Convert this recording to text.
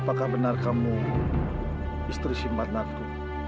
apakah benar kamu istri simpananku